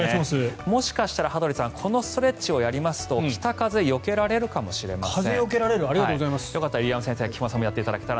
もしかしたら羽鳥さんこのストレッチをやりますと北風がよけられるかもしれません。